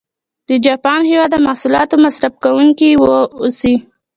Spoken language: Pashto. د جاپان هېواد د محصولاتو مصرف کوونکي و اوسي.